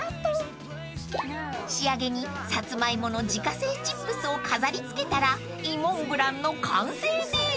［仕上げにサツマイモの自家製チップスを飾りつけたらいもんぶらんの完成です］